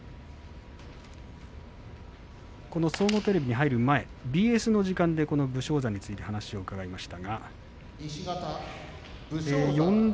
総合テレビに入る前ＢＳの時間で武将山についてのお話をしました。